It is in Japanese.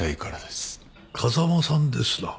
風間さんですな？